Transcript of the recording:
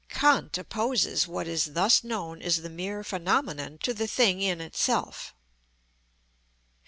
Kant opposes what is thus known as the mere phenomenon to the thing in itself.